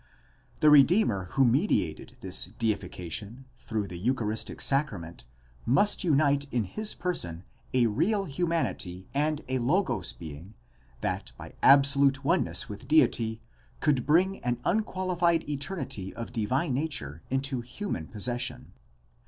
The redeemer who mediated this "deification" through the eucharistic sacrament must unite in his person a real humanity and a Logos being that by absolute oneness with deity could bring an unqualified eternity of divine nature into human possession.